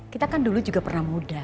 kita kan dulu juga pernah muda